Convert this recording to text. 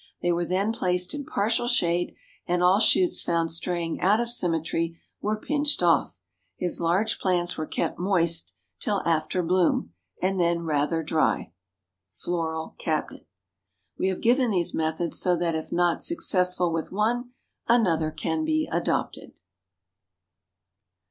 They were then placed in partial shade, and all shoots found straying out of symmetry were pinched off. His large plants were kept moist till after bloom, and then rather dry. Floral Cabinet. We have given these methods so that if not successful with one, another can be adopted.